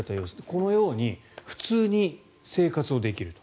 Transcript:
このように普通に生活できると。